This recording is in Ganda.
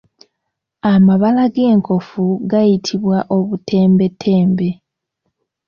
Amabala g’enkofu gayitibwa obutembetembe.